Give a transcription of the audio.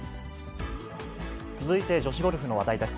続いて女子ゴルフの話題です。